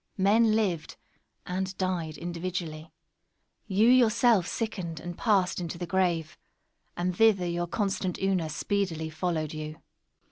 Men lived; and died individually. You yourself sickened, and passed into the grave; and thither your constant Una speedily followed you.